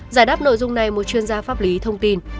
giải đáp nội dung này một chuyên gia pháp lý thông tin